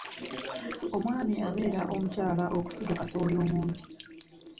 Omwami abeera Omukyala okusiga kasooli mungi.